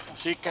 ah si kelek